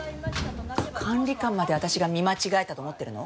管理官まで私が見間違えたと思ってるの？